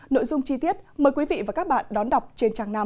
nội dung chi tiết mời quý vị và các bạn đón đọc trên trang năm